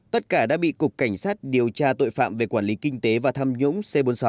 tất cả đã bị cục cảnh sát điều tra tội phạm về quản lý kinh tế và tham nhũng c bốn mươi sáu